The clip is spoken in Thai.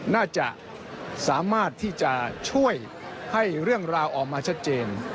น่าจะสามารถที่จะช่วยให้เรื่องราวออกมาชัดเจน